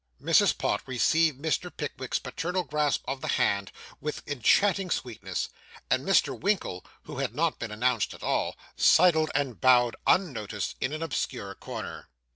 Mrs. Pott received Mr. Pickwick's paternal grasp of the hand with enchanting sweetness; and Mr. Winkle, who had not been announced at all, sidled and bowed, unnoticed, in an obscure corner.